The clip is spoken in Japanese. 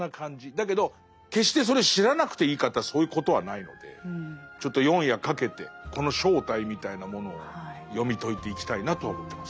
だけど決してそれを知らなくていいかっていったらそういうことはないのでちょっと４夜かけてこの正体みたいなものを読み解いていきたいなと思ってます。